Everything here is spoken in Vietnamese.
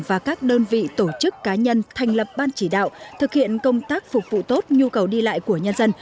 và các đơn vị tổ chức cá nhân thành lập ban chỉ đạo thực hiện công tác phục vụ tốt nhu cầu đi lại của nhân dân